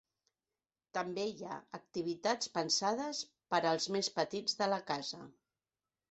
També hi ha activitats pensades per als més petits de la casa.